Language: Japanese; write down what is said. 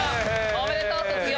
おめでとう卒業。